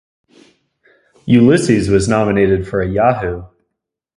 "Ulysses" was nominated for a Yahoo!